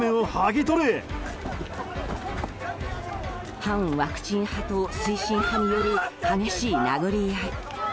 反ワクチン派と推進派による激しい殴り合い。